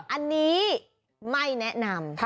อันนี้ไม่แนะนำ